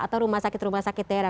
atau rumah sakit rumah sakit daerah